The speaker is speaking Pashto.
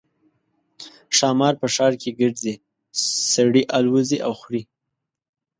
ښامار په ښار کې ګرځي سړي الوزوي او خوري.